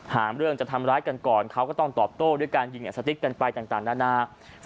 หาเรื่องจะทำร้ายกันก่อนเขาก็ต้องตอบโต้ด้วยการยิงสติ๊กกันไปต่างนานา